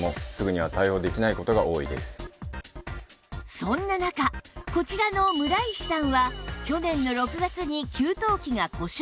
そんな中こちらの村石さんは去年の６月に給湯器が故障